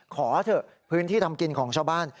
ขอเถอะพื้นที่ทำกินของชาวบ้าน